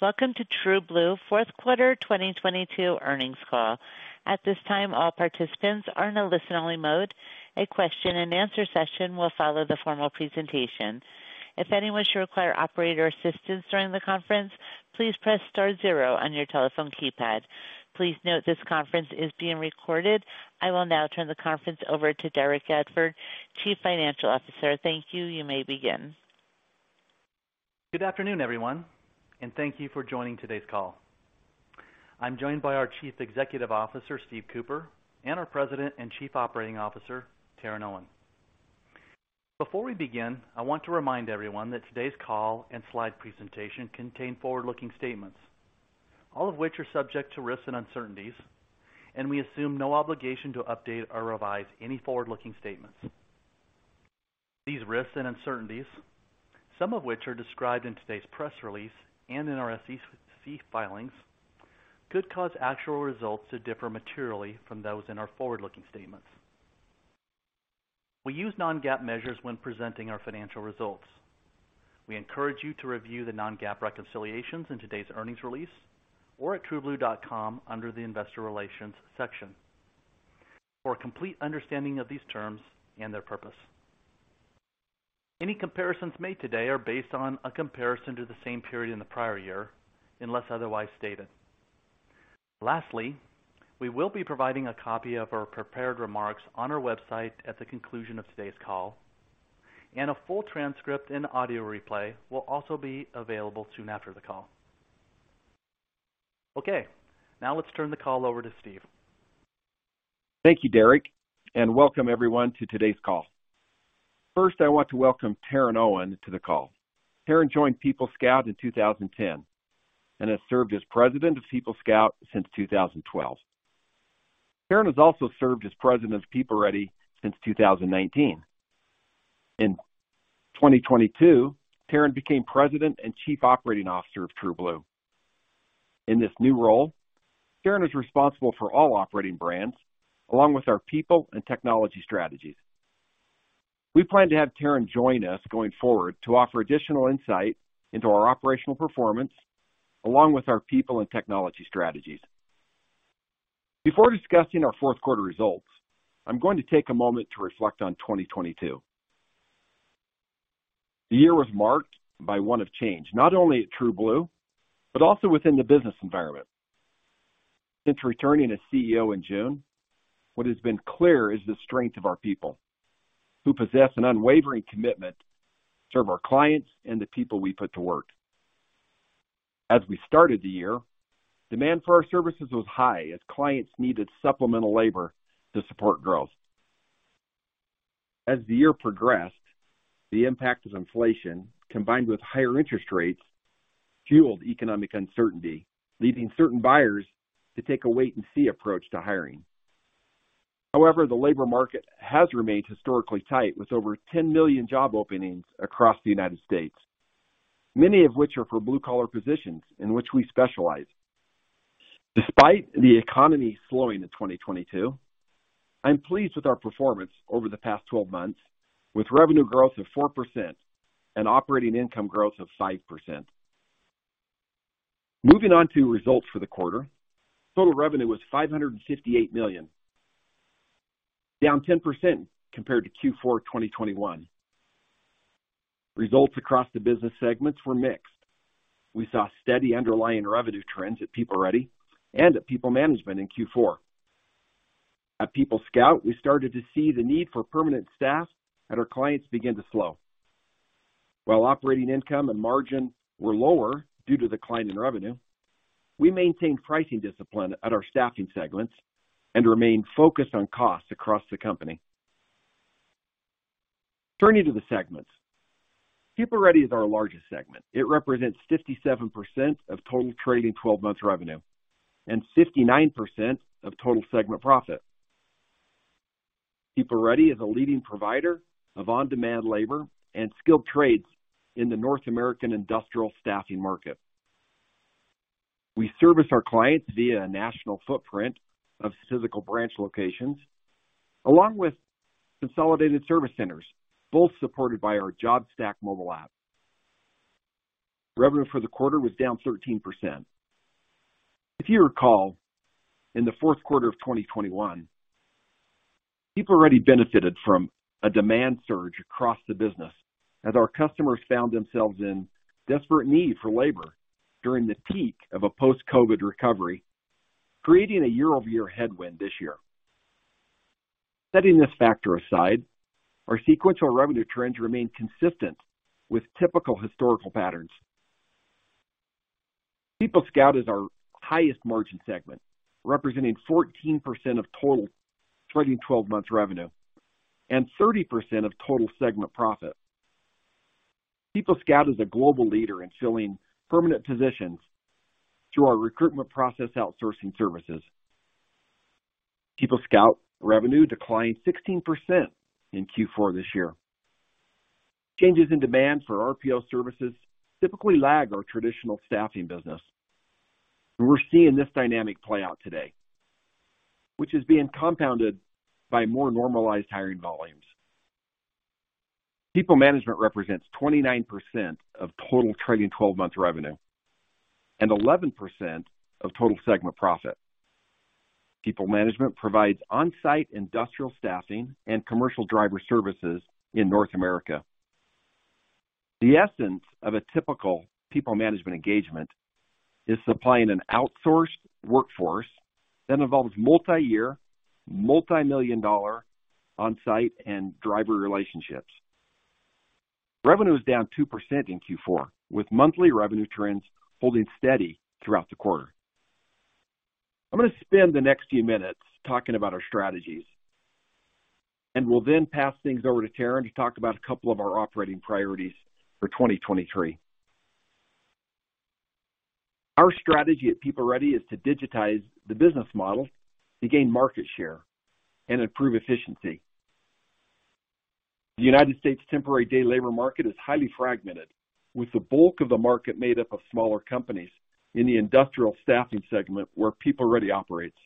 Welcome to TrueBlue Q4 2022 Earnings Call. At this time, all participants are in a listen-only mode. A question-and-answer session will follow the formal presentation. If anyone should require operator assistance during the conference, please press star zero on your telephone keypad. Please note this conference is being recorded. I will now turn the conference over to Derrek Gafford, Chief Financial Officer. Thank you. You may begin. Good afternoon, everyone, and thank you for joining today's call. I'm joined by our Chief Executive Officer, Steve Cooper, and our President and Chief Operating Officer, Taryn Owen. Before we begin, I want to remind everyone that today's call and slide presentation contain forward-looking statements, all of which are subject to risks and uncertainties, and we assume no obligation to update or revise any forward-looking statements. These risks and uncertainties, some of which are described in today's press release and in our SEC filings, could cause actual results to differ materially from those in our forward-looking statements. We use non-GAAP measures when presenting our financial results. We encourage you to review the non-GAAP reconciliations in today's earnings release or at trueblue.com under the Investor Relations section for a complete understanding of these terms and their purpose. Any comparisons made today are based on a comparison to the same period in the prior, unless otherwise stated. Lastly, we will be providing a copy of our prepared remarks on our website at the conclusion of today's call, and a full transcript and audio replay will also be available soon after the call. Okay, now let's turn the call over to Steve. Thank you, Derrek, and welcome everyone to today's call. First, I want to welcome Taryn Owen to the call. Taryn joined PeopleScout in 2010 and has served as President of PeopleScout since 2012. Taryn has also served as President of PeopleReady since 2019. In 2022, Taryn became President and Chief Operating Officer of TrueBlue. In this new role, Taryn is responsible for all operating brands, along with our people and technology strategies. We plan to have Taryn join us going forward to offer additional insight into our operational performance, along with our people and technology strategies. Before discussing our fourth results, I'm going to take a moment to reflect on 2022. The year was marked by one of change, not only at TrueBlue, but also within the business environment. Since returning as CEO in June, what has been clear is the strength of our people, who possess an unwavering commitment to serve our clients and the people we put to work. We started the year, demand for our services was high as clients needed supplemental labor to support growth. The year progressed, the impact of inflation, combined with higher interest rates, fueled economic uncertainty, leaving certain buyers to take a wait and see approach to hiring. However, the labor market has remained historically tight, with over 10 million job openings across the United States, many of which are for blue-collar positions in which we specialize. Despite the economy slowing in 2022, I'm pleased with our performance over the past 12 months, with revenue growth of 4% and operating income growth of 5%. Moving on to results for the quarter. Total revenue was $558 million, down 10% compared to Q4 2021. Results across the business segments were mixed. We saw steady underlying revenue trends at PeopleReady and at PeopleManagement in Q4. At PeopleScout, we started to see the need for permanent staff at our clients begin to slow. While operating income and margin were lower due to decline in revenue, we maintained pricing discipline at our staffing segments and remained focused on costs across the company. Turning to the segments. PeopleReady is our largest segment. It represents 57% of total trailing twelve-month revenue and 59% of total segment profit. PeopleReady is a leading provider of on-demand labor and skilled trades in the North American industrial staffing market. We service our clients via a national footprint of physical branch locations, along with consolidated service centers, both supported by our JobStack mobile app. Revenue for the quarter was down 13%. If you recall, in the Q4 of 2021, PeopleReady benefited from a demand surge across the business as our customers found themselves in desperate need for labor during the peak of a post-COVID recovery, creating a year-over-year headwind this year. Setting this factor aside, our sequential revenue trends remain consistent with typical historical patterns. PeopleScout is our highest margin segment, representing 14% of total trailing twelve-month revenue and 30% of total segment profit. PeopleScout is a global leader in filling permanent positions through our recruitment process outsourcing services. PeopleScout revenue declined 16% in Q4 this year. Changes in demand for RPO services typically lag our traditional staffing business, and we're seeing this dynamic play out today, which is being compounded by more normalized hiring volumes. People Management represents 29% of total trailing twelve-month revenue and 11% of total segment profit. People Management provides on-site industrial staffing and commercial driver services in North America. The essence of a typical People Management engagement is supplying an outsourced workforce that involves multi-year, multi-million dollar on-site and driver relationships. Revenue is down 2% in Q4, with monthly revenue trends holding steady throughout the quarter. I'm gonna spend the next few minutes talking about our strategies, and will then pass things over to Taryn to talk about a couple of our operating priorities for 2023. Our strategy at PeopleReady is to digitize the business model to gain market share and improve efficiency. The United States temporary day labor market is highly fragmented, with the bulk of the market made up of smaller companies in the industrial staffing segment where PeopleReady operates.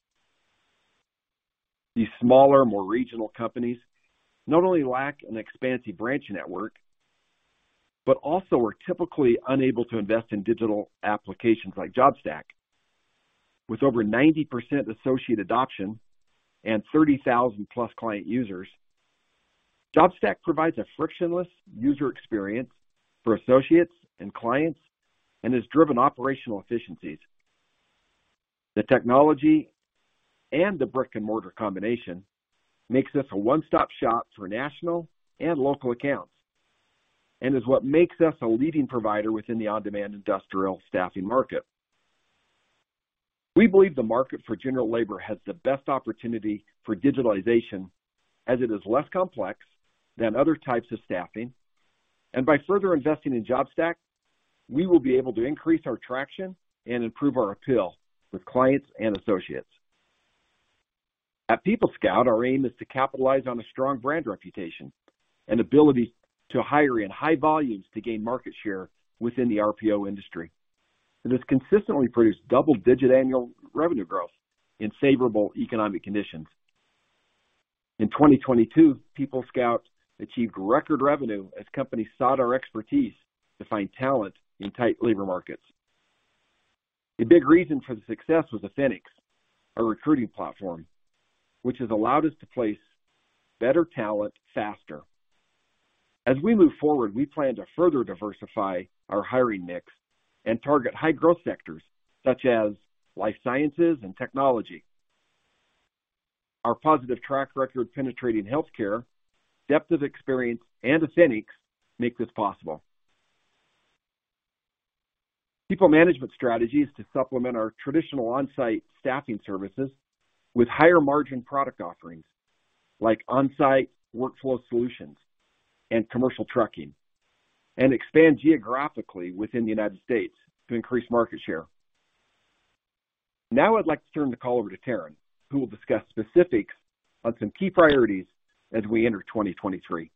These smaller, more regional companies not only lack an expansive branch network, but also are typically unable to invest in digital applications like JobStack. With over 90% associate adoption and 30,000+ client users, JobStack provides a frictionless user experience for associates and clients and has driven operational efficiencies. The technology and the brick-and-mortar combination makes us a one-stop shop for national and local accounts, and is what makes us a leading provider within the on-demand industrial staffing market. We believe the market for general labor has the best opportunity for digitalization as it is less complex than other types of staffing. By further investing in JobStack, we will be able to increase our traction and improve our appeal with clients and associates. At PeopleScout, our aim is to capitalize on a strong brand reputation and ability to hire in high volumes to gain market share within the RPO industry. It has consistently produced double-digit annual revenue growth in favorable economic conditions. In 2022, PeopleScout achieved record revenue as companies sought our expertise to find talent in tight labor markets. A big reason for the success was Affinix, our recruiting platform, which has allowed us to place better talent faster. As we move forward, we plan to further diversify our hiring mix and target high growth sectors such as life sciences and technology. Our positive track record penetrating healthcare, depth of experience, and Affinix make this possible. PeopleManagement strategies to supplement our traditional on-site staffing services with higher margin product offerings like on-site workflow solutions and commercial trucking, expand geographically within the United States to increase market share. I'd like to turn the call over to Taryn, who will discuss specifics on some key priorities as we enter 2023.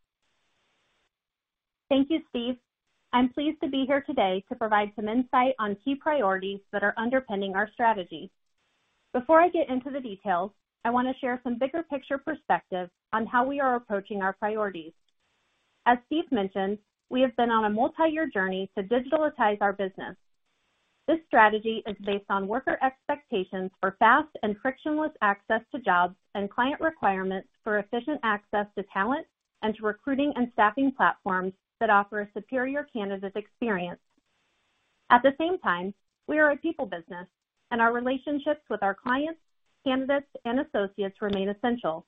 Thank you, Steve. I'm pleased to be here today to provide some insight on key priorities that are underpinning our strategy. Before I get into the details, I want to share some bigger picture perspective on how we are approaching our priorities. As Steve mentioned, we have been on a multi-year journey to digitalitize our business. This strategy is based on worker expectations for fast and frictionless access to jobs and client requirements for efficient access to talent and to recruiting and staffing platforms that offer a superior candidate experience. At the same time, we are a people business, and our relationships with our clients, candidates, and associates remain essential.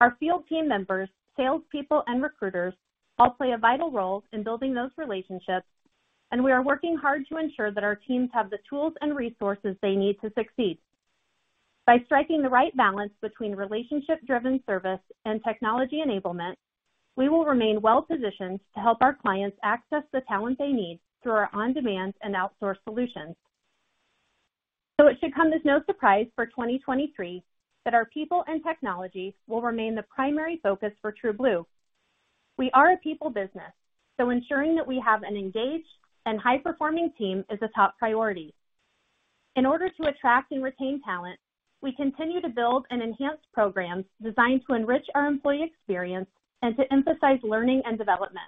Our field team members, salespeople, and recruiters all play a vital role in building those relationships, and we are working hard to ensure that our teams have the tools and resources they need to succeed. By striking the right balance between relationship-driven service and technology enablement, we will remain well-positioned to help our clients access the talent they need through our on-demand and outsourced solutions. It should come as no surprise for 2023 that our people and technology will remain the primary focus for TrueBlue. We are a people business, so ensuring that we have an engaged and high-performing team is a top priority. In order to attract and retain talent, we continue to build and enhance programs designed to enrich our employee experience and to emphasize learning and development.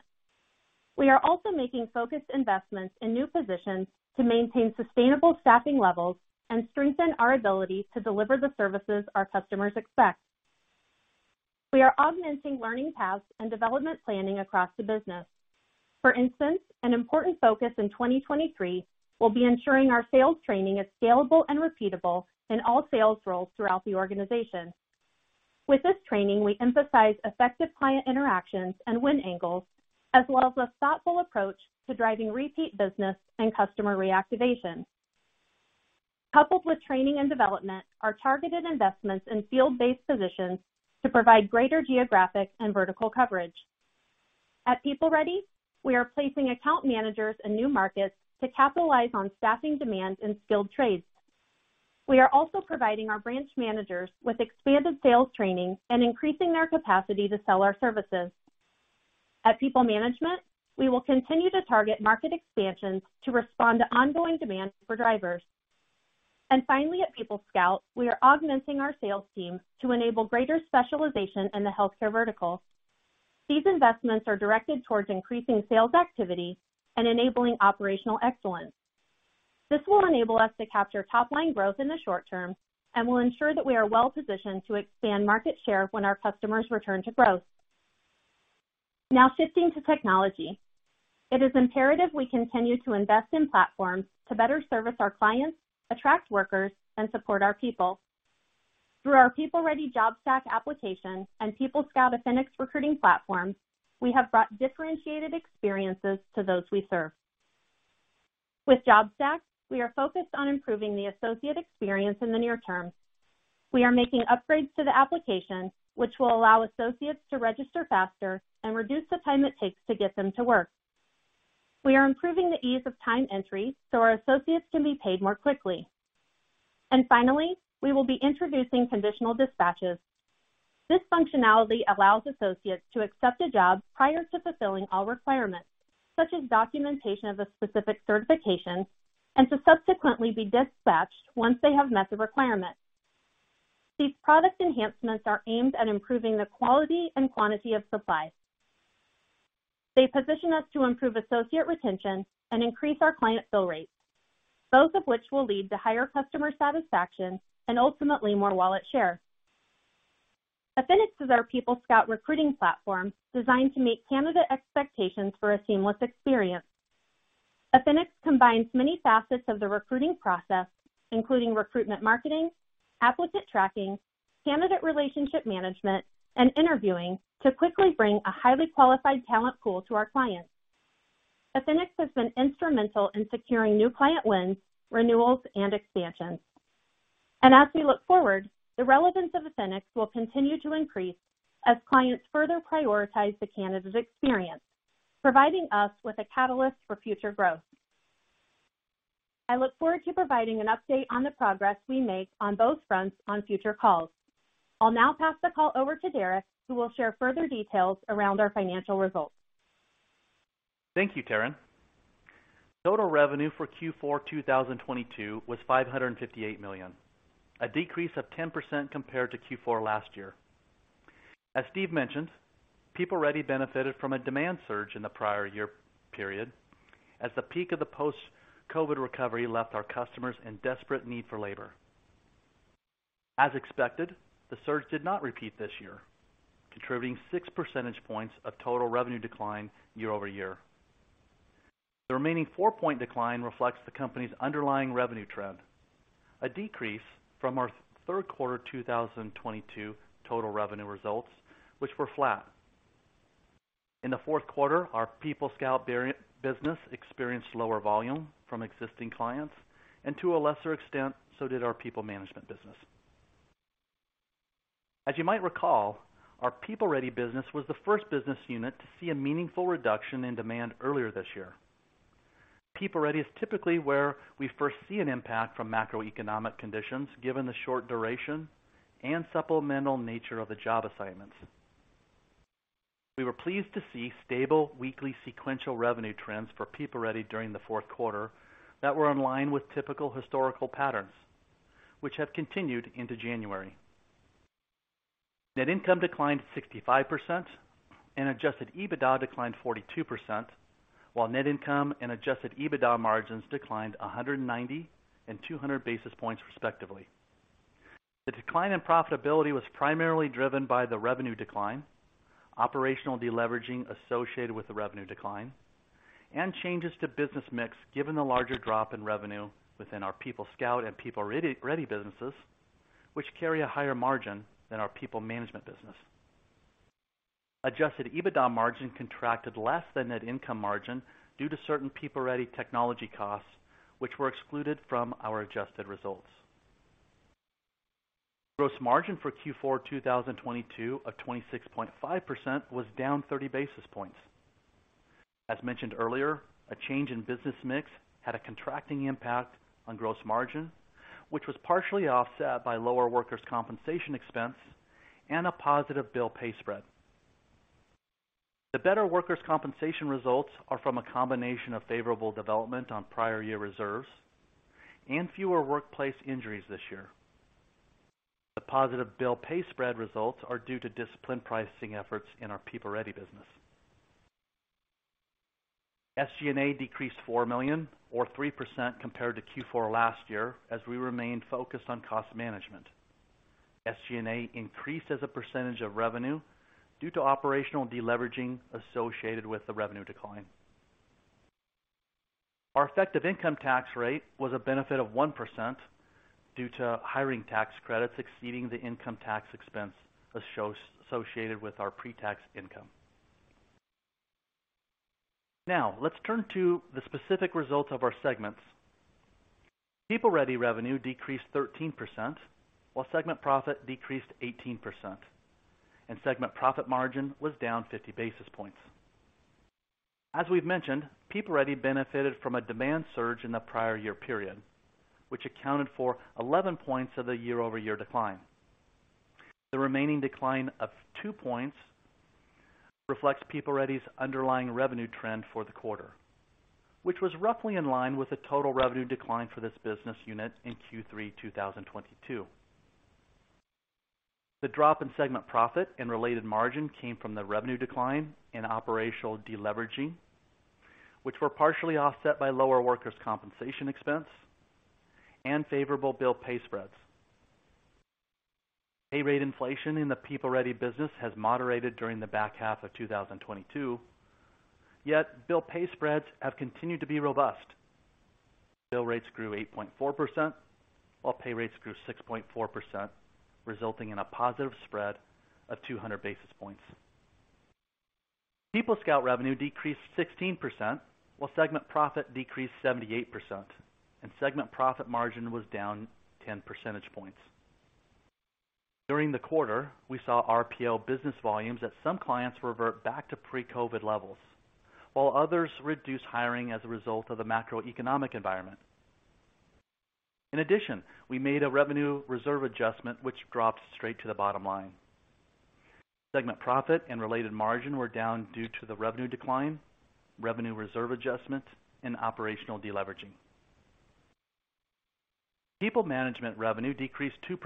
We are also making focused investments in new positions to maintain sustainable staffing levels and strengthen our ability to deliver the services our customers expect. We are augmenting learning paths and development planning across the business. For instance, an important focus in 2023 will be ensuring our sales training is scalable and repeatable in all sales roles throughout the organization. With this training, we emphasize effective client interactions and win angles, as well as a thoughtful approach to driving repeat business and customer reactivation. Coupled with training and development are targeted investments in field-based positions to provide greater geographic and vertical coverage. At PeopleReady, we are placing account managers in new markets to capitalize on staffing demands in skilled trades. We are also providing our branch managers with expanded sales training and increasing their capacity to sell our services. At PeopleManagement, we will continue to target market expansions to respond to ongoing demands for drivers. Finally, at PeopleScout, we are augmenting our sales team to enable greater specialization in the healthcare vertical. These investments are directed towards increasing sales activity and enabling operational excellence. This will enable us to capture top-line growth in the short term and will ensure that we are well positioned to expand market share when our customers return to growth. Now shifting to technology. It is imperative we continue to invest in platforms to better service our clients, attract workers, and support our people. Through our PeopleReady JobStack application and PeopleScout Affinix recruiting platforms, we have brought differentiated experiences to those we serve. With JobStack, we are focused on improving the associate experience in the near term. We are making upgrades to the application, which will allow associates to register faster and reduce the time it takes to get them to work. We are improving the ease of time entry so our associates can be paid more quickly. Finally, we will be introducing conditional dispatches. This functionality allows associates to accept a job prior to fulfilling all requirements, such as documentation of a specific certification, and to subsequently be dispatched once they have met the requirement. These product enhancements are aimed at improving the quality and quantity of supply. They position us to improve associate retention and increase our client fill rates, both of which will lead to higher customer satisfaction and ultimately more wallet share. Affinix is our PeopleScout recruiting platform designed to meet candidate expectations for a seamless experience. Affinix combines many facets of the recruiting process, including recruitment marketing, applicant tracking, candidate relationship management, and interviewing to quickly bring a highly qualified talent pool to our clients. Affinix has been instrumental in securing new client wins, renewals, and expansions. As we look forward, the relevance of Affinix will continue to increase as clients further prioritize the candidate's experience, providing us with a catalyst for future growth. I look forward to providing an update on the progress we make on both fronts on future calls. I'll now pass the call over to Derrek, who will share further details around our financial results. Thank you, Taryn. Total revenue for Q4 2022 was $558 million, a decrease of 10% compared to Q4 last year. As Steve mentioned, PeopleReady benefited from a demand surge in the prior year period as the peak of the post-COVID recovery left our customers in desperate need for labor. As expected, the surge did not repeat this year, contributing 6 percentage points of total revenue decline year-over-year. The remaining four-point decline reflects the company's underlying revenue trend, a decrease from our Q3 2022 total revenue results, which were flat. In the Q4, our PeopleScout business experienced lower volume from existing clients, and to a lesser extent, so did our PeopleManagement business. As you might recall, our PeopleReady business was the 1st business unit to see a meaningful reduction in demand earlier this year. PeopleReady is typically where we first see an impact from macroeconomic conditions, given the short duration and supplemental nature of the job assignments. We were pleased to see stable weekly sequential revenue trends for PeopleReady during the Q4 that were in line with typical historical patterns, which have continued into January. Net income declined 65% and adjusted EBITDA declined 42%, while net income and adjusted EBITDA margins declined 190 and 200 basis points, respectively. The decline in profitability was primarily driven by the revenue decline, operational deleveraging associated with the revenue decline, and changes to business mix, given the larger drop in revenue within our PeopleScout and PeopleReady businesses, which carry a higher margin than our PeopleManagement business. Adjusted EBITDA margin contracted less than net income margin due to certain PeopleReady technology costs, which were excluded from our adjusted results. Gross margin for Q4 2022 of 26.5% was down 30 basis points. As mentioned earlier, a change in business mix had a contracting impact on gross margin, which was partially offset by lower workers' compensation expense and a positive bill pay spread. The better workers' compensation results are from a combination of favorable development on prior year reserves and fewer workplace injuries this year. The positive bill pay spread results are due to disciplined pricing efforts in our PeopleReady business. SG&A decreased $4 million or 3% compared to Q4 last year as we remained focused on cost management. SG&A increased as a percentage of revenue due to operational deleveraging associated with the revenue decline. Our effective income tax rate was a benefit of 1% due to hiring tax credits exceeding the income tax expense associated with our pre-tax income. Now, let's turn to the specific results of our segments. PeopleReady revenue decreased 13%, while segment profit decreased 18%, and segment profit margin was down 50 basis points. As we've mentioned, PeopleReady benefited from a demand surge in the prior year period, which accounted for 11 points of the year-over-year decline. The remaining decline of two points. Reflects PeopleReady's underlying revenue trend for the quarter, which was roughly in line with the total revenue decline for this business unit in Q3 2022. The drop in segment profit and related margin came from the revenue decline and operational de-leveraging, which were partially offset by lower workers' compensation expense and favorable bill pay spreads. Pay rate inflation in the PeopleReady business has moderated during the back of 2022. Bill pay spreads have continued to be robust. Bill rates grew 8.4%, while pay rates grew 6.4%, resulting in a positive spread of 200 basis points. PeopleScout revenue decreased 16%, while segment profit decreased 78%, and segment profit margin was down 10 percentage points. During the quarter, we saw RPO business volumes at some clients revert back to pre-COVID levels, while others reduced hiring as a result of the macroeconomic environment. In addition, we made a revenue reserve adjustment which dropped straight to the bottom line. Segment profit and related margin were down due to the revenue decline, revenue reserve adjustments and operational de-leveraging. PeopleManagement revenue decreased 2%,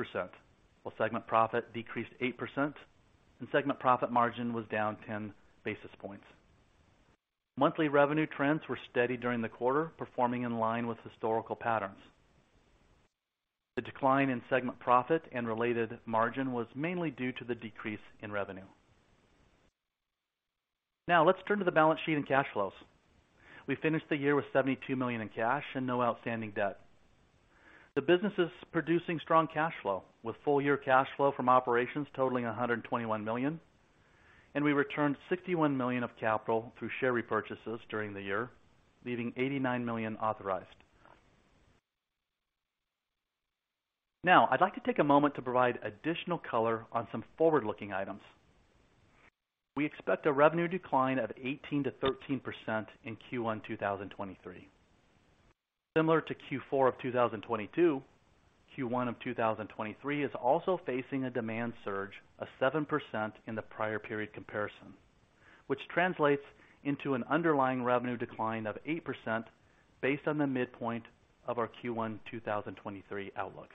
while segment profit decreased 8%, and segment profit margin was down 10 basis points. Monthly revenue trends were steady during the quarter, performing in line with historical patterns. The decline in segment profit and related margin was mainly due to the decrease in revenue. Let's turn to the balance sheet and cash flows. We finished the year with $72 million in cash and no outstanding debt. The business is producing strong cash flow, with full year cash flow from operations totaling $121 million. We returned $61 million of capital through share repurchases during the year, leaving $89 million authorized. I'd like to take a moment to provide additional color on some forward-looking items. We expect a revenue decline of 18%-13% in Q1 2023. Similar to Q4 of 2022, Q1 of 2023 is also facing a demand surge of 7% in the prior period comparison, which translates into an underlying revenue decline of 8% based on the midpoint of our Q1 2023 outlook.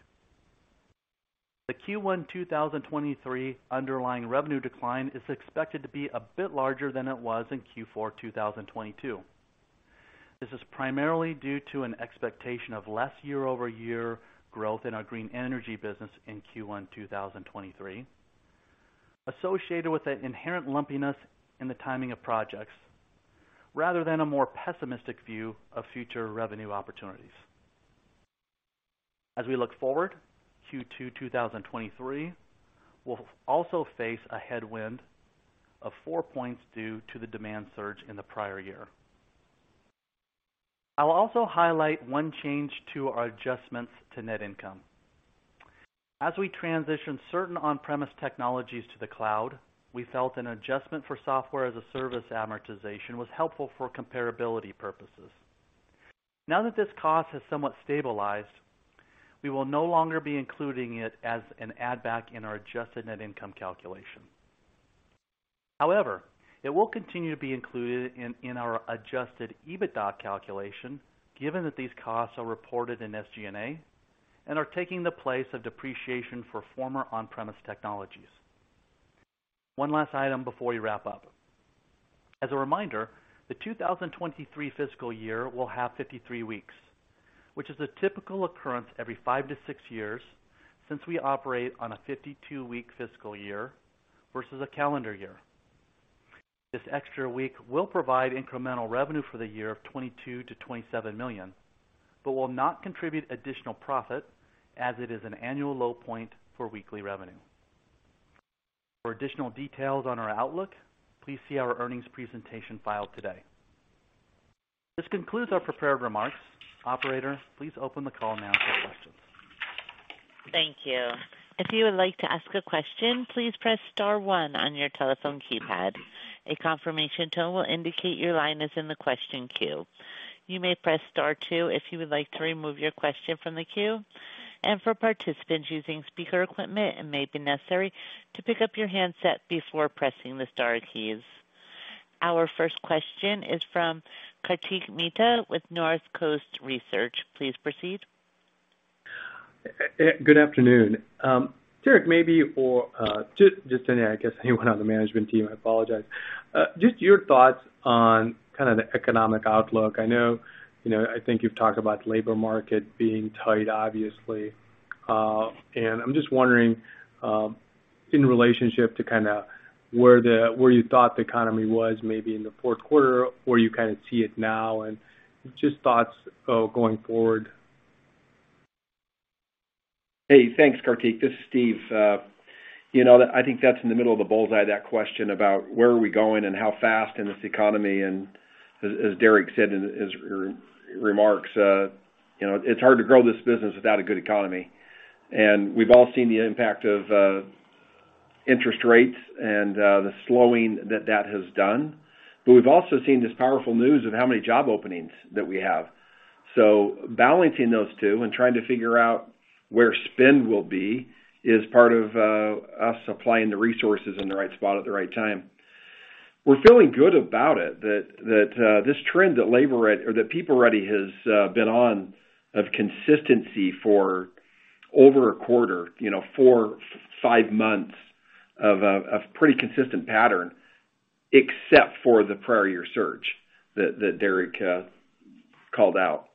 The Q1 2023 underlying revenue decline is expected to be a bit larger than it was in Q4 2022. This is primarily due to an expectation of less year-over-year growth in our green energy business in Q1 2023, associated with an inherent lumpiness in the timing of projects rather than a more pessimistic view of future revenue opportunities. As we look forward, Q2 2023 will also face a headwind of four points due to the demand surge in the prior year. I'll also highlight one change to our adjustments to net income. As we transition certain on-premise technologies to the cloud, we felt an adjustment for software as a service amortization was helpful for comparability purposes. Now that this cost has somewhat stabilized, we will no longer be including it as an add back in our adjusted net income calculation. However, it will continue to be included in our adjusted EBITDA calculation, given that these costs are reported in SG&A and are taking the place of depreciation for former on-premise technologies. One last item before we wrap up. As a reminder, the 2023 fiscal year will have 53 weeks, which is a typical occurrence every five to six years since we operate on a 52-week fiscal year versus a calendar year. This extra week will provide incremental revenue for the year of $22 million - $27 million, but will not contribute additional profit as it is an annual low point for weekly revenue. For additional details on our outlook, please see our earnings presentation filed today. This concludes our prepared remarks. Operator, please open the call now for questions. Thank you. If you would like to ask a question, please press star one on your telephone keypad. A confirmation tone will indicate your line is in the question queue. You may press Star two if you would like to remove your question from the queue. For participants using speaker equipment, it may be necessary to pick up your handset before pressing the star keys. Our first question is from Kartik Mehta with Northcoast Research. Please proceed. Good afternoon. Derrek, maybe or just any, I guess anyone on the management team, I apologize. Just your thoughts on kind of the economic outlook. I know, you know, I think you've talked about labor market being tight, obviously. I'm just wondering, in relationship to kind of where you thought the economy was maybe in the Q4 or you kind of see it now and just thoughts going forward? Hey, thanks, Kartik. This is Steve. You know, I think that's in the middle of the bull's eye, that question about where are we going and how fast in this economy. As Derrek said in his remarks, you know, it's hard to grow this business without a good economy. We've all seen the impact of interest rates and the slowing that that has done. We've also seen this powerful news of how many job openings that we have. Balancing those two and trying to figure out where spend will be is part of us supplying the resources in the right spot at the right time. We're feeling good about it, that this trend that PeopleReady has been on of consistency for over a quarter, you know, four, five months of a pretty consistent pattern, except for the prior year surge that Derrek called out.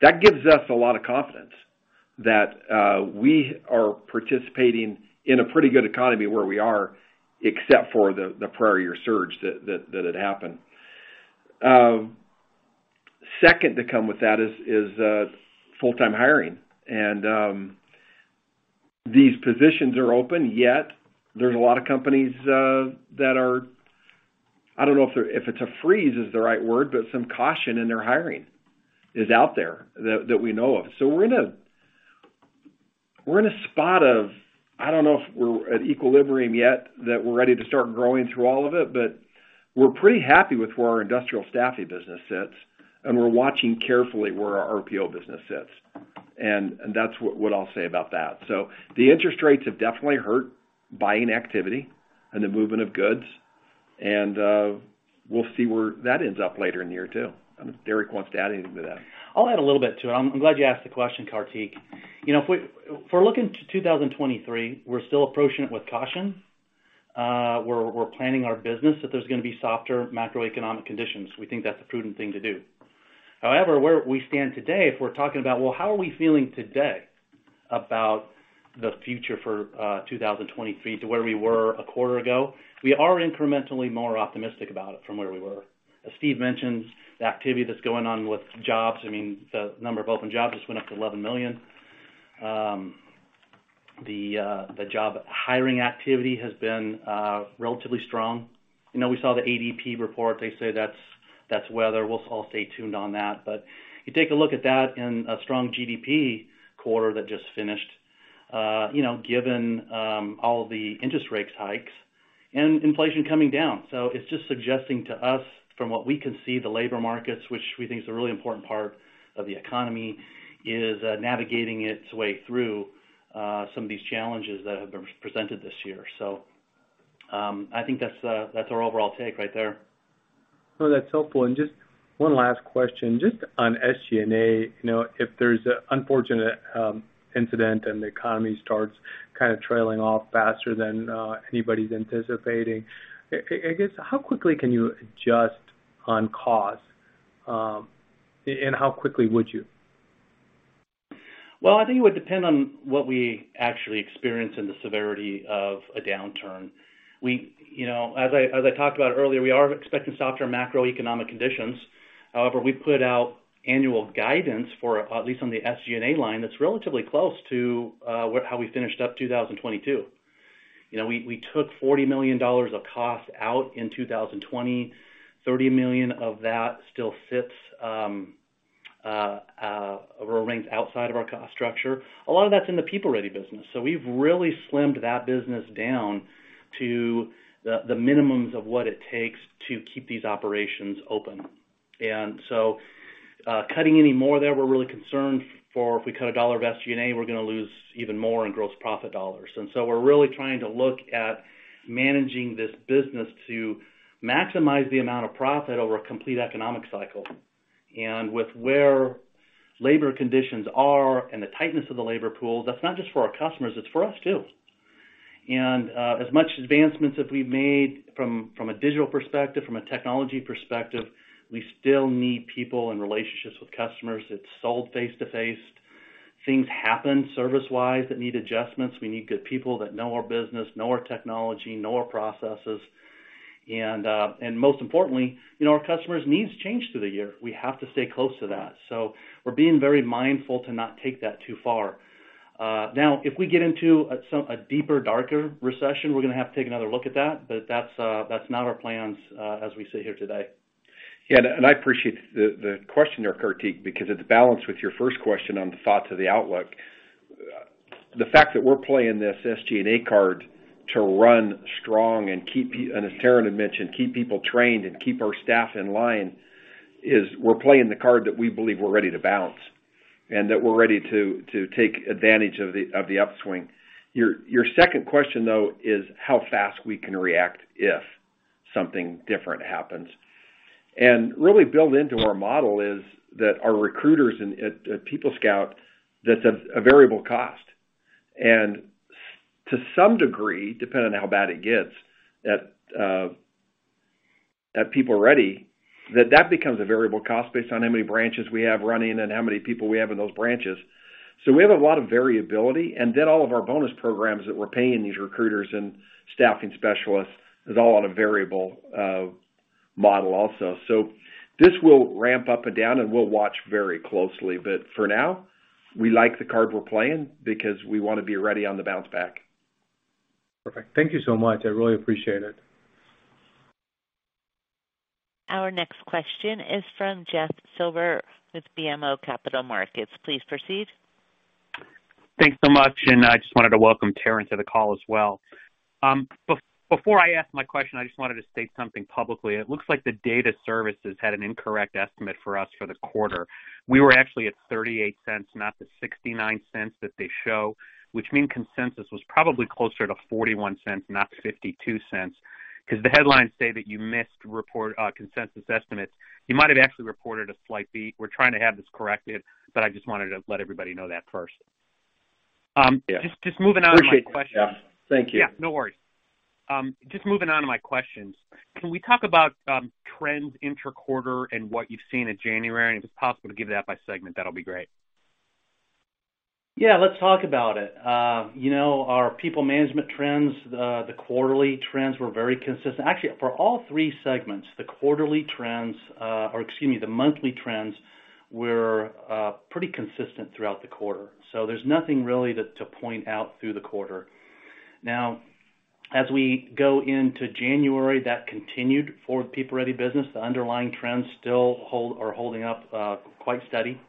That gives us a lot of confidence that we are participating in a pretty good economy where we are, except for the prior year surge that had happened. Second to come with that is full-time hiring. These positions are open, yet there's a lot of companies, I don't know if it's a freeze is the right word, but some caution in their hiring is out there that we know of. We're in a, we're in a spot of, I don't know if we're at equilibrium yet, that we're ready to start growing through all of it, but we're pretty happy with where our industrial staffing business sits, and we're watching carefully where our RPO business sits. That's what I'll say about that. The interest rates have definitely hurt buying activity and the movement of goods, we'll see where that ends up later in the year too. I don't know if Derrek wants to add anything to that. I'll add a little bit to it. I'm glad you asked the question, Kartik. You know, if we're looking to 2023, we're still approaching it with caution. We're planning our business that there's gonna be softer macroeconomic conditions. We think that's a prudent thing to do. Where we stand today, if we're talking about, well, how are we feeling today about the future for 2023 to where we were a quarter ago, we are incrementally more optimistic about it from where we were. As Steve mentioned, the activity that's going on with jobs, I mean, the number of open jobs just went up to 11 million. The job hiring activity has been relatively strong. You know, we saw the ADP report. They say that's weather. We'll all stay tuned on that. You take a look at that in a strong GDP quarter that just finished, you know, given all the interest rates hikes and inflation coming down. It's just suggesting to us, from what we can see, the labor markets, which we think is a really important part of the economy, is navigating its way through some of these challenges that have been presented this year. I think that's that's our overall take right there. No, that's helpful. Just one last question. Just on SG&A, you know, if there's an unfortunate incident and the economy starts kind of trailing off faster than anybody's anticipating, I guess, how quickly can you adjust on cost, and how quickly would you? Well, I think it would depend on what we actually experience in the severity of a downturn. We, you know, as I talked about earlier, we are expecting softer macroeconomic conditions. We put out annual guidance for at least on the SG&A line that's relatively close to how we finished up 2022. You know, we took $40 million of costs out in 2020. $30 million of that still sits, remains outside of our cost structure. A lot of that's in the PeopleReady business. We've really slimmed that business down to the minimums of what it takes to keep these operations open. Cutting any more there, we're really concerned for if we cut $1 of SG&A, we're gonna lose even more in gross profit dollars. We're really trying to look at managing this business to maximize the amount of profit over a complete economic cycle. With where labor conditions are and the tightness of the labor pool, that's not just for our customers, it's for us too. As much advancements that we've made from a digital perspective, from a technology perspective, we still need people and relationships with customers. It's sold face-to-face. Things happen service-wise that need adjustments. We need good people that know our business, know our technology, know our processes. Most importantly, you know, our customers' needs change through the year. We have to stay close to that. We're being very mindful to not take that too far. Now, if we get into a deeper, darker recession, we're gonna have to take another look at that. That's not our plans, as we sit here today. Yeah. I appreciate the question there, Kartik, because it's balanced with your first question on the thoughts of the outlook. The fact that we're playing this SG&A card to run strong and as Taryn had mentioned, keep people trained and keep our staff in line is we're playing the card that we believe we're ready to bounce, and that we're ready to take advantage of the upswing. Your second question, though, is how fast we can react if something different happens. Really built into our model is that our recruiters at PeopleScout, that's a variable cost. To some degree, depending on how bad it gets at PeopleReady, that becomes a variable cost based on how many branches we have running and how many people we have in those branches. We have a lot of variability, and then all of our bonus programs that we're paying these recruiters and staffing specialists is all on a variable model also. This will ramp up and down, and we'll watch very closely. For now, we like the card we're playing because we wanna be ready on the bounce back. Perfect. Thank you so much. I really appreciate it. Our next question is from Jeff Silber with BMO Capital Markets. Please proceed. Thanks so much. I just wanted to welcome Taryn to the call as well. Before I ask my question, I just wanted to state something publicly. It looks like the data services had an incorrect estimate for us for the quarter. We were actually at $0.38, not the $0.69 that they show, which mean consensus was probably closer to $0.41, not $0.52, 'cause the headlines say that you missed report consensus estimates. You might have actually reported a slight beat. We're trying to have this corrected. I just wanted to let everybody know that first. Yeah. Just moving on with my question. Appreciate that. Thank you. No worries. Just moving on to my questions. Can we talk about trends inter-quarter and what you've seen in January? If it's possible to give that by segment, that'll be great. Yeah, let's talk about it. You know, our PeopleManagement trends, the quarterly trends were very consistent. Actually, for all three segments, the quarterly trends, or excuse me, the monthly trends were pretty consistent throughout the quarter. There's nothing really to point out through the quarter. Now, as we go into January, that continued for PeopleReady business. The underlying trends still hold or holding up quite steady.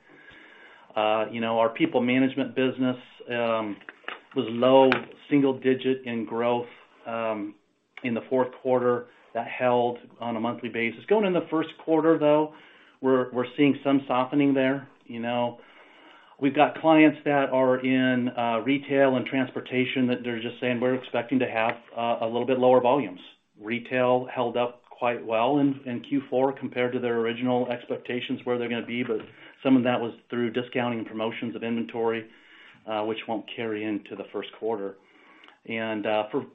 You know, our PeopleManagement business was low double single digit in growth in the Q4. That held on a monthly basis. Going in the Q1, though, we're seeing some softening there. You know, we've got clients that are in retail and transportation that they're just saying we're expecting to have a little bit lower volumes. Retail held up quite well in Q4 compared to their original expectations, where they're gonna be, but some of that was through discounting and promotions of inventory, which won't carry into the Q1.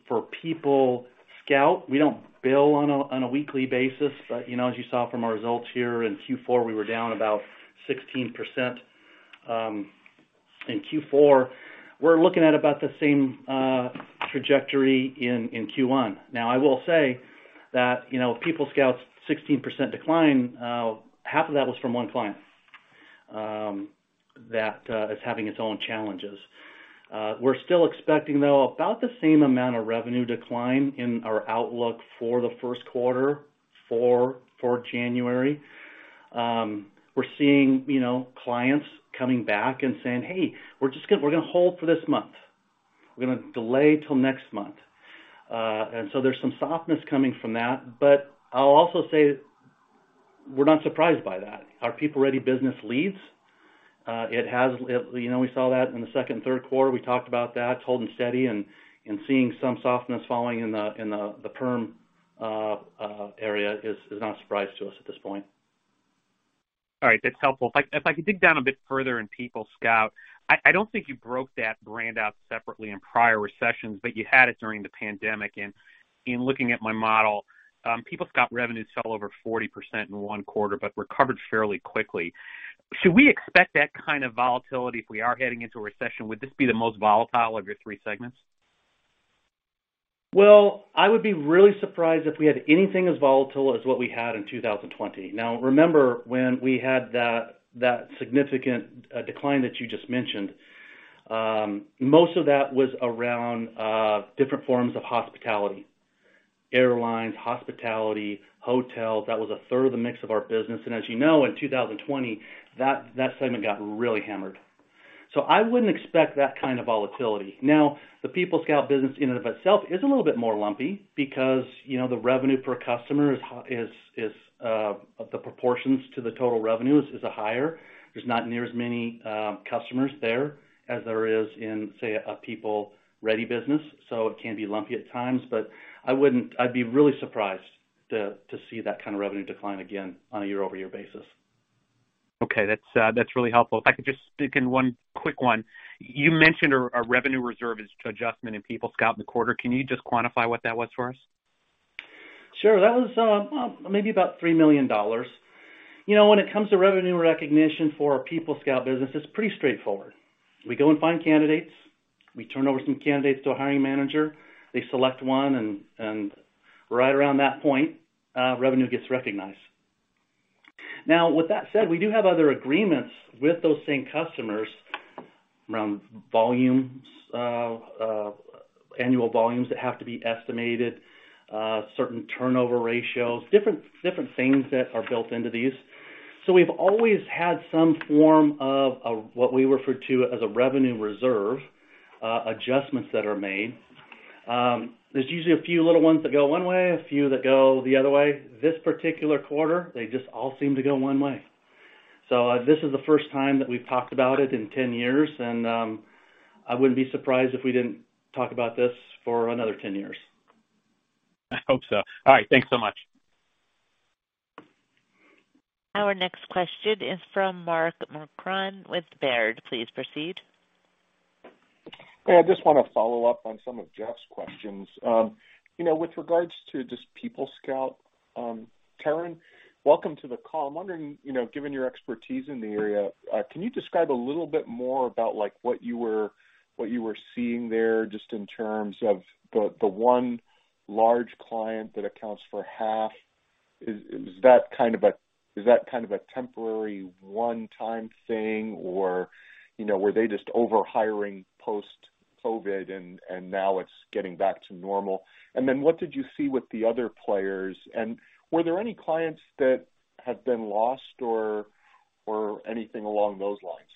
For PeopleScout, we don't bill on a weekly basis. You know, as you saw from our results here in Q4, we were down about 16%. In Q4, we're looking at about the same trajectory in Q1. Now, I will say that, you know, PeopleScout's 16% decline, half of that was from one client that is having its own challenges. We're still expecting, though, about the same amount of revenue decline in our outlook for the Q1 for January. We're seeing, you know, clients coming back and saying, "Hey, we're gonna hold for this month. We're gonna delay till next month." There's some softness coming from that. I'll also say we're not surprised by that. Our PeopleReady business leads. You know, we saw that in the second and Q3. We talked about that. It's holding steady and seeing some softness falling in the, in the perm area is not a surprise to us at this point. All right. That's helpful. If I can dig down a bit further in PeopleScout, I don't think you broke that brand out separately in prior recessions, but you had it during the pandemic. In looking at my model, PeopleScout revenues fell over 40% in Q1, but recovered fairly quickly. Should we expect that kind of volatility if we are heading into a recession? Would this be the most volatile of your three segments? Well, I would be really surprised if we had anything as volatile as what we had in 2020. Remember when we had that significant decline that you just mentioned, most of that was around different forms of hospitality. Airlines, hospitality, hotels. That was a third of the mix of our business. As you know, in 2020, that segment got really hammered. I wouldn't expect that kind of volatility. Now, the PeopleScout business in and of itself is a little bit more lumpy because, you know, the revenue per customer is is the proportions to the total revenues is a higher. There's not near as many customers there as there is in, say, a PeopleReady business. It can be lumpy at times, but I wouldn't... I'd be really surprised to see that kind of revenue decline again on a year-over-year basis. Okay. That's, that's really helpful. If I could just stick in one quick one. You mentioned a revenue reserve as to adjustment in PeopleScout in the quarter. Can you just quantify what that was for us? Sure. That was, maybe about $3 million. You know, when it comes to revenue recognition for our PeopleScout business, it's pretty straightforward. We go and find candidates. We turn over some candidates to a hiring manager. They select one and right around that point, revenue gets recognized. Now, with that said, we do have other agreements with those same customers around volumes, annual volumes that have to be estimated, certain turnover ratios, different things that are built into these. We've always had some form of what we refer to as a revenue reserve, adjustments that are made. There's usually a few little ones that go one way, a few that go the other way. This particular quarter, they just all seem to go one way. This is the first time that we've talked about it in 10 years, and I wouldn't be surprised if we didn't talk about this for another 10 years. I hope so. All right. Thanks so much. Our next question is from Mark Marcon with Baird. Please proceed. Hey, I just wanna follow up on some of Jeff's questions. you know, with regards to just PeopleScout, Taryn, welcome to the call. I'm wondering, you know, given your expertise in the area, can you describe a little bit more about like what you were seeing there just in terms of the one large client that accounts for half? Is that kind of a temporary one-time thing? Or, you know, were they just over-hiring post-COVID, and now it's getting back to normal. What did you see with the other players? Were there any clients that have been lost or anything along those lines?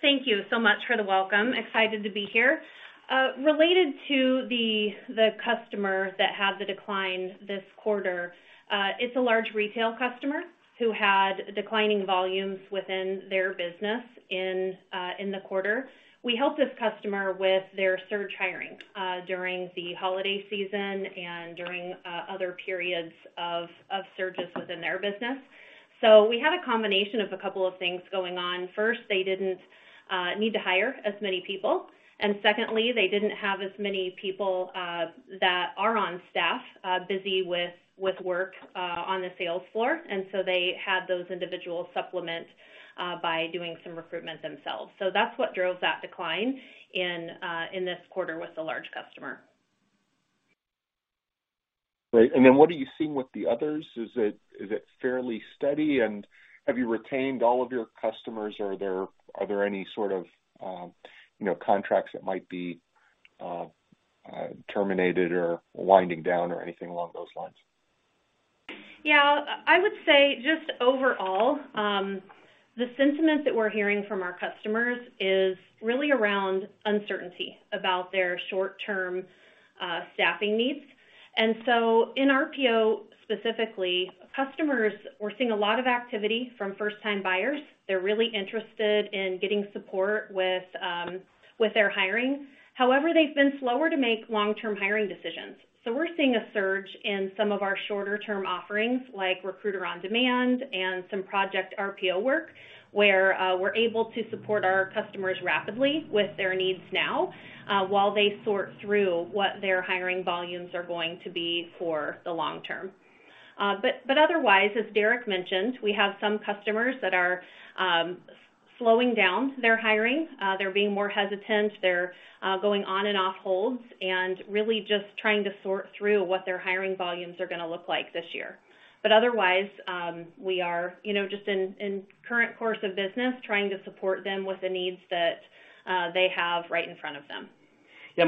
Thank you so much for the welcome. Excited to be here. Related to the customer that had the decline this quarter, it's a large retail customer who had declining volumes within their business in the quarter. We helped this customer with their surge hiring during the holiday season and during other periods of surges within their business. We had a combination of a couple of things going on. First, they didn't need to hire as many people. Secondly, they didn't have as many people that are on staff busy with work on the sales floor. They had those individuals supplement by doing some recruitment themselves. That's what drove that decline in this quarter with the large customer. Great. What are you seeing with the others? Is it fairly steady? Have you retained all of your customers, or are there any sort of, you know, contracts that might be terminated or winding down or anything along those lines? Yeah. I would say just overall, the sentiment that we're hearing from our customers is really around uncertainty about their short-term staffing needs. In RPO, specifically, customers, we're seeing a lot of activity from first-time buyers. They're really interested in getting support with their hiring. However, they've been slower to make long-term hiring decisions. We're seeing a surge in some of our shorter-term offerings, like Recruiter on Demand and some project RPO work, where we're able to support our customers rapidly with their needs now, while they sort through what their hiring volumes are going to be for the long-term. Otherwise, as Derrek mentioned, we have some customers that are slowing down their hiring. They're being more hesitant. They're going on and off holds and really just trying to sort through what their hiring volumes are gonna look like this year. Otherwise, we are, you know, just in current course of business, trying to support them with the needs that they have right in front of them. Yeah.,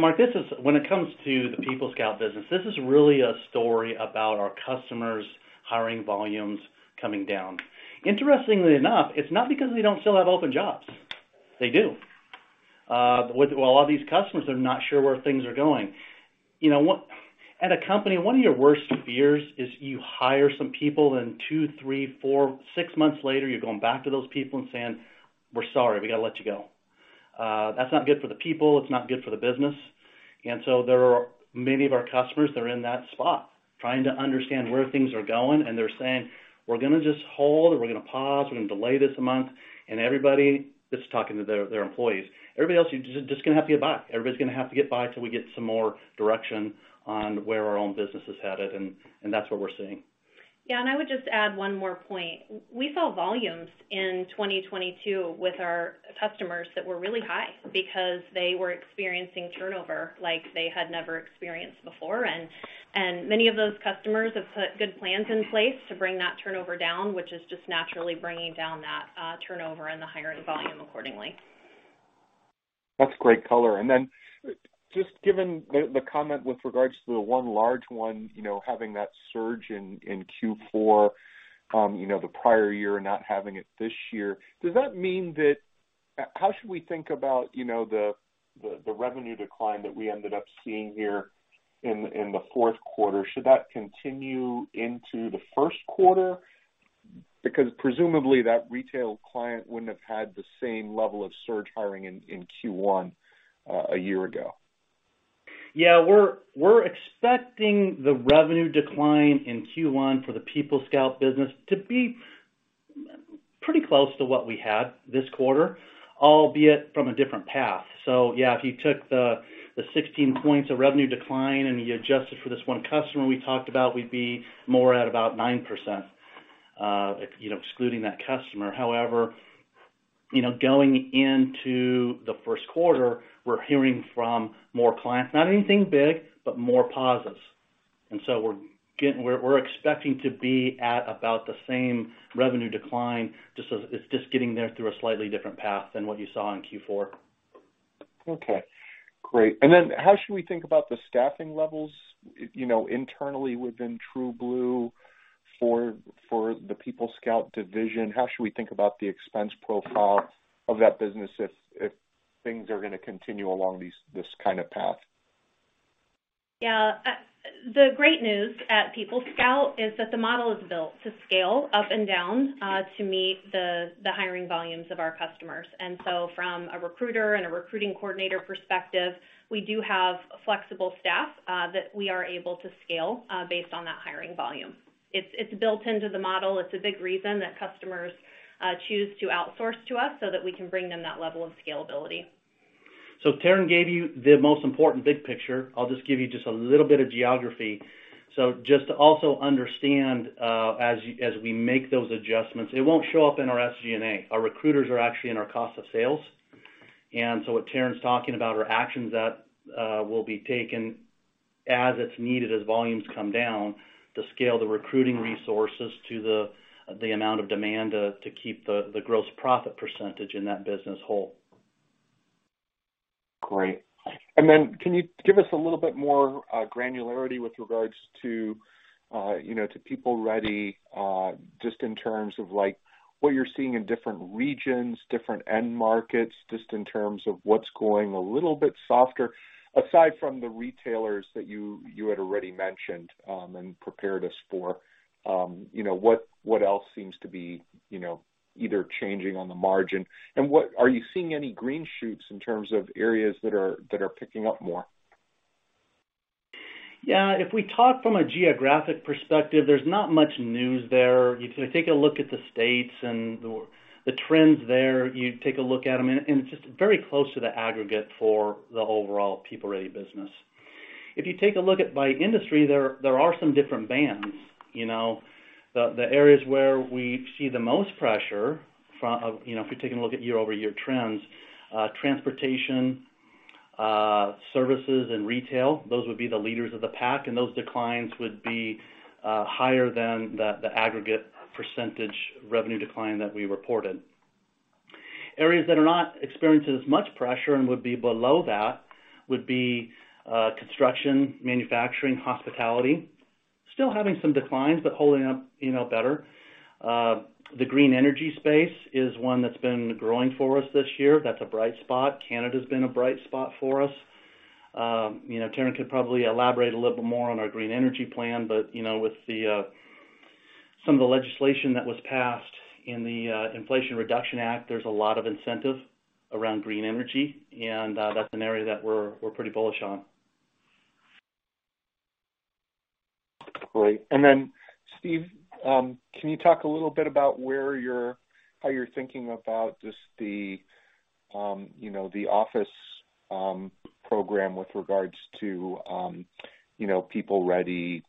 when it comes to the PeopleScout business, this is really a story about our customers' hiring volumes coming down. Interestingly enough, it's not because they don't still have open jobs. They do. A lot of these customers are not sure where things are going. You know what? At a company, one of your worst fears is you hire some people, and two, three, four, six months later, you're going back to those people and saying, "We're sorry. We gotta let you go." That's not good for the people. It's not good for the business. There are many of our customers that are in that spot, trying to understand where things are going, and they're saying, "We're gonna just hold, or we're gonna pause, we're gonna delay this a month, and everybody..." Just talking to their employees. Everybody else, you're just gonna have to get by. Everybody's gonna have to get by till we get some more direction on where our own business is headed. That's what we're seeing. Yeah. I would just add one more point. We saw volumes in 2022 with our customers that were really high because they were experiencing turnover like they had never experienced before. Many of those customers have put good plans in place to bring that turnover down, which is just naturally bringing down that turnover and the hiring volume accordingly. That's great color. Just given the comment with regards to the one large one, you know, having that surge in Q4, you know, the prior year and not having it this year. Does that mean that how should we think about, you know, the, the revenue decline that we ended up seeing here in the Q4? Should that continue into the Q1? Because presumably, that retail client wouldn't have had the same level of surge hiring in Q1, a year ago. We're expecting the revenue decline in Q1 for the PeopleScout business to be pretty close to what we had this quarter, albeit from a different path. If you took the 16 points of revenue decline and you adjust it for this one customer we talked about, we'd be more at about 9%, you know, excluding that customer. You know, going into the Q1, we're hearing from more clients, not anything big, but more pauses. We're expecting to be at about the same revenue decline. It's just getting there through a slightly different path than what you saw in Q4. Okay. Great. Then how should we think about the staffing levels, you know, internally within TrueBlue for the PeopleScout division? How should we think about the expense profile of that business if things are gonna continue along this kind of path? Yeah. The great news at PeopleScout is that the model is built to scale up and down to meet the hiring volumes of our customers. From a recruiter and a recruiting coordinator perspective, we do have flexible staff that we are able to scale based on that hiring volume. It's, it's built into the model. It's a big reason that customers choose to outsource to us so that we can bring them that level of scalability. Taryn gave you the most important big picture. I'll just give you just a little bit of geography. Just to also understand, as we make those adjustments, it won't show up in our SG&A. Our recruiters are actually in our cost of sales. What Taryn's talking about are actions that will be taken as it's needed, as volumes come down, to scale the recruiting resources to the amount of demand, to keep the gross profit percentage in that business whole. Great. Then can you give us a little bit more granularity with regards to, you know, to PeopleReady, just in terms of like what you're seeing in different regions, different end markets, just in terms of what's going a little bit softer, aside from the retailers that you had already mentioned, and prepared us for. You know, what else seems to be, you know, either changing on the margin? Are you seeing any green shoots in terms of areas that are picking up more? Yeah. If we talk from a geographic perspective, there's not much news there. If you take a look at the states and the trends there, you take a look at them. It's just very close to the aggregate for the overall PeopleReady business. You take a look at by industry, there are some different bands. You know, the areas where we see the most pressure, you know, if you're taking a look at year-over-year trends, transportation, services and retail, those would be the leaders of the pack. Those declines would be higher than the aggregate percentage revenue decline that we reported. Areas that are not experiencing as much pressure and would be below that would be construction, manufacturing, hospitality. Still having some declines, holding up, you know, better. The green energy space is one that's been growing for us this year. That's a bright spot. Canada's been a bright spot for us. You know, Taryn could probably elaborate a little bit more on our green energy plan, you know, with the some of the legislation that was passed in the Inflation Reduction Act, there's a lot of incentive around green energy, that's an area that we're pretty bullish on. Great. Steve, can you talk a little bit about how you're thinking about just the, you know, the office program with regards to, you know, PeopleReady?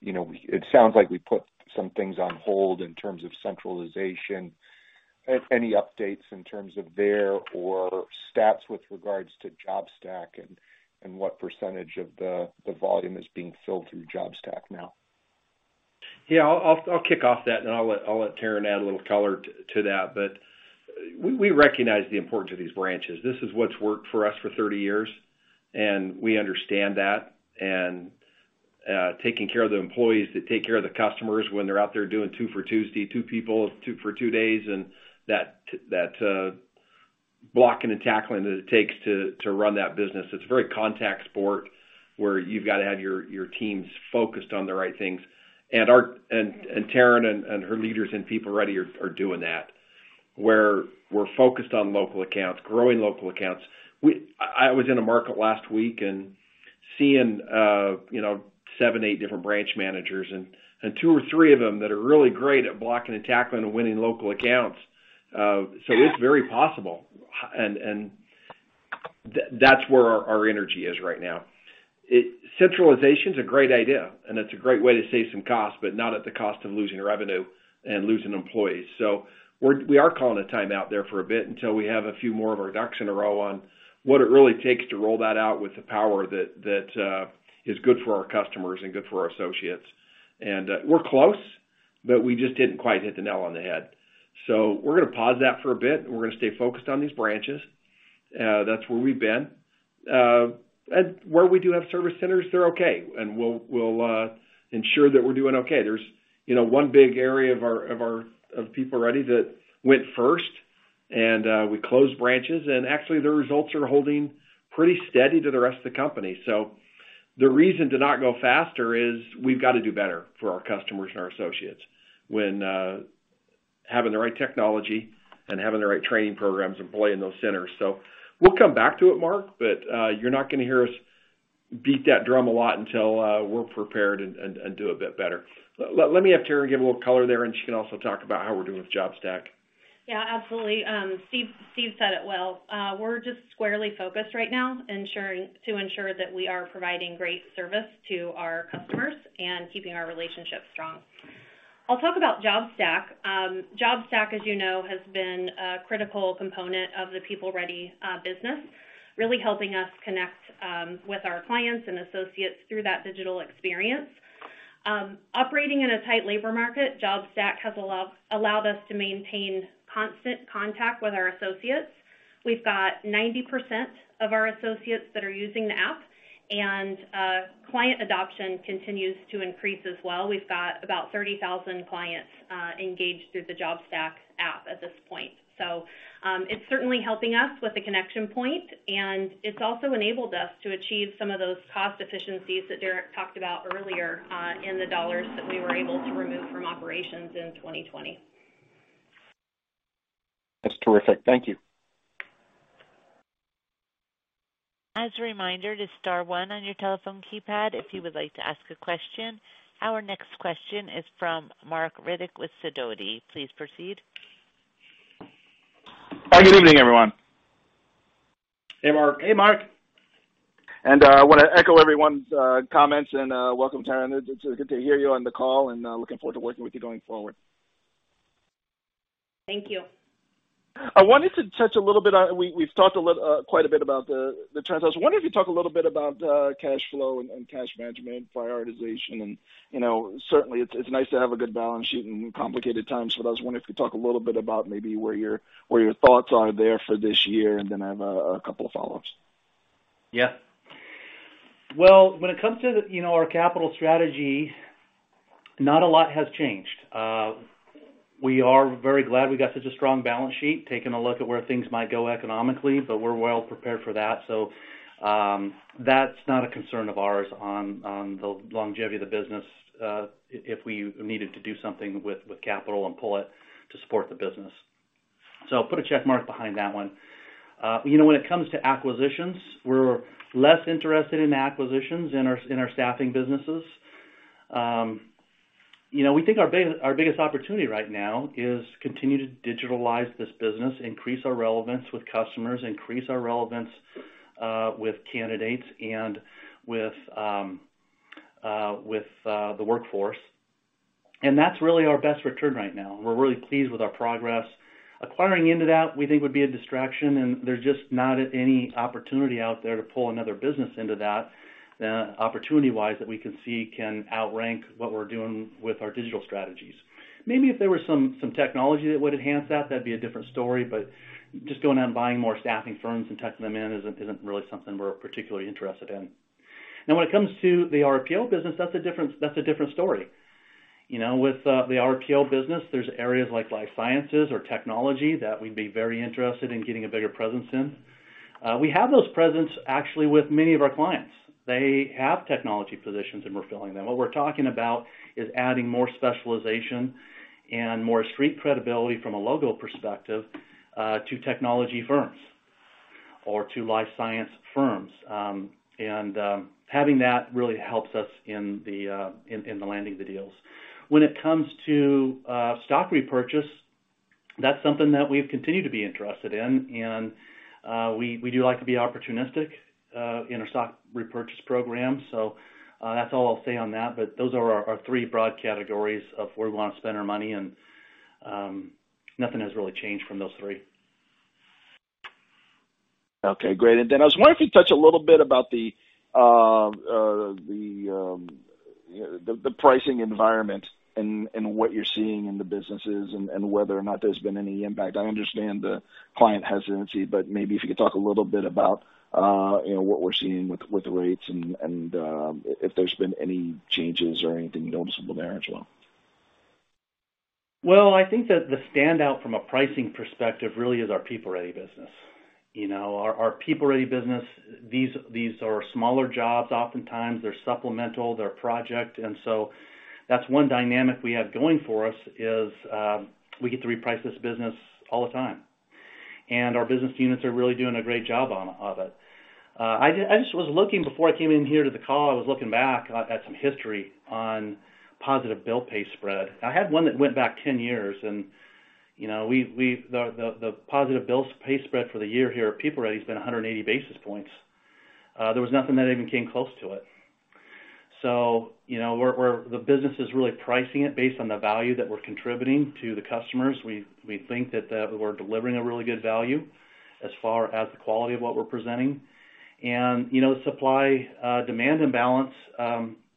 You know, it sounds like we put some things on hold in terms of centralization. Any updates in terms of there or stats with regards to JobStack and what percentage of the volume is being filled through JobStack now? Yeah. I'll kick off that, and I'll let Taryn add a little color to that. We recognize the importance of these branches. This is what's worked for us for 30 years, and we understand that. Taking care of the employees that take care of the customers when they're out there doing two for Tuesday, two people, two for two days, and that blocking and tackling that it takes to run that business. It's a very contact sport where you've got to have your teams focused on the right things. Taryn and her leaders in PeopleReady are doing that, where we're focused on local accounts, growing local accounts. I was in a market last week and seeing, you know, seven, eight different branch managers, two or three of them that are really great at blocking and tackling and winning local accounts. It's very possible. That's where our energy is right now. Centralization is a great idea, and it's a great way to save some costs, but not at the cost of losing revenue and losing employees. We are calling a timeout there for a bit until we have a few more of our ducks in a row on what it really takes to roll that out with the power that is good for our customers and good for our associates. We're close, but we just didn't quite hit the nail on the head. We're gonna pause that for a bit, and we're gonna stay focused on these branches. That's where we've been. Where we do have service centers, they're okay, and we'll ensure that we're doing okay. There's, you know, one big area of our PeopleReady that went first, and we closed branches, and actually the results are holding pretty steady to the rest of the company. The reason to not go faster is we've got to do better for our customers and our associates when having the right technology and having the right training programs employee in those centers. We'll come back to it, Mark, but you're not gonna hear us beat that drum a lot until we're prepared and do a bit better. Let me have Taryn give a little color there, and she can also talk about how we're doing with JobStack. Yeah, absolutely. Steve said it well. We're just squarely focused right now to ensure that we are providing great service to our customers and keeping our relationships strong. I'll talk about JobStack. JobStack, as you know, has been a critical component of the PeopleReady business, really helping us connect with our clients and associates through that digital experience. Operating in a tight labor market, JobStack has allowed us to maintain constant contact with our associates. We've got 90% of our associates that are using the app, and client adoption continues to increase as well. We've got about 30,000 clients engaged through the JobStack app at this point. It's certainly helping us with the connection point, and it's also enabled us to achieve some of those cost efficiencies that Derrek talked about earlier, in the dollars that we were able to remove from operations in 2020. That's terrific. Thank you. As a reminder to star one on your telephone keypad if you would like to ask a question. Our next question is from Marc Riddick with Sidoti. Please proceed. Good evening, everyone. Hey, Marc. Hey, Marc. I wanna echo everyone's comments and welcome Taryn. It's good to hear you on the call and looking forward to working with you going forward. Thank you. I wanted to touch a little bit on. We've talked quite a bit about the transactions. I wonder if you talk a little bit about cash flow and cash management prioritization and, you know, certainly it's nice to have a good balance sheet in complicated times. I was wondering if you talk a little bit about maybe where your thoughts are there for this year, and then I have a couple of follow-ups. Well, when it comes to, you know, our capital strategy, not a lot has changed. We are very glad we got such a strong balance sheet, taking a look at where things might go economically, but we're well prepared for that. That's not a concern of ours on the longevity of the business, if we needed to do something with capital and pull it to support the business. Put a check mark behind that one. You know, when it comes to acquisitions, we're less interested in acquisitions in our, in our staffing businesses. You know, we think our biggest opportunity right now is continue to digitalize this business, increase our relevance with customers, increase our relevance with candidates and with the workforce. That's really our best return right now. We're really pleased with our progress. Acquiring into that, we think would be a distraction, and there's just not any opportunity out there to pull another business into that, opportunity-wise, that we can see can outrank what we're doing with our digital strategies. Maybe if there was some technology that would enhance that'd be a different story, but just going out and buying more staffing firms and tucking them in isn't really something we're particularly interested in. When it comes to the RPO business, that's a different story. You know, with the RPO business, there's areas like life sciences or technology that we'd be very interested in getting a bigger presence in. We have those presence actually with many of our clients. They have technology positions, we're filling them. What we're talking about is adding more specialization and more street credibility from a logo perspective, to technology firms or to life science firms. Having that really helps us in the landing the deals. When it comes to stock repurchase, that's something that we've continued to be interested in. We do like to be opportunistic in our stock repurchase program. That's all I'll say on that, but those are our three broad categories of where we wanna spend our money, and nothing has really changed from those three. Okay, great. I was wondering if you touch a little bit about the, the pricing environment and what you're seeing in the businesses and whether or not there's been any impact. I understand the client hesitancy. Maybe if you could talk a little bit about, you know, what we're seeing with the rates and, if there's been any changes or anything noticeable there as well. I think that the standout from a pricing perspective really is our PeopleReady business. You know, our PeopleReady business, these are smaller jobs oftentimes. They're supplemental, they're project, that's one dynamic we have going for us is we get to reprice this business all the time. Our business units are really doing a great job on it. I just was looking before I came in here to the call, I was looking back at some history on positive bill pay spread. I had one that went back 10 years and, you know, we've the positive bill pay spread for the year here at PeopleReady has been 180 basis points. There was nothing that even came close to it. You know, we're the business is really pricing it based on the value that we're contributing to the customers. We think that we're delivering a really good value as far as the quality of what we're presenting. You know, supply, demand imbalance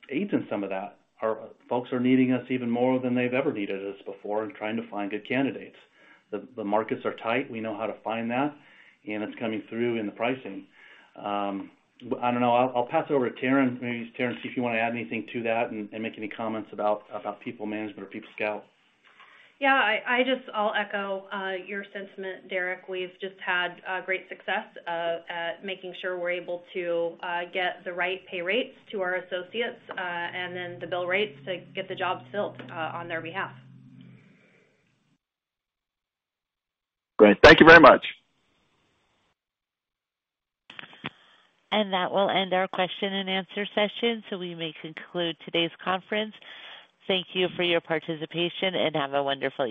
aids in some of that. Our folks are needing us even more than they've ever needed us before in trying to find good candidates. The markets are tight. We know how to find that, and it's coming through in the pricing. I don't know. I'll pass it over to Taryn. Maybe Taryn, see if you wanna add anything to that and make any comments about PeopleManagement or PeopleScout. Yeah. I'll echo your sentiment, Derrek. We've just had great success at making sure we're able to get the right pay rates to our associates and then the bill rates to get the jobs filled on their behalf. Great. Thank you very much. That will end our question and answer session, so we may conclude today's conference. Thank you for your participation, and have a wonderful day.